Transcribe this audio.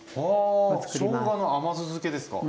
しょうがの甘酢漬けですか？